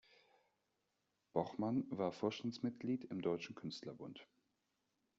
Bochmann war Vorstandsmitglied im Deutschen Künstlerbund.